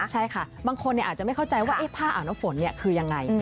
ใช่ค่ะบางคนอาจจะไม่เข้าใจว่าผ้าอ่างน้ำฝนคือยังไง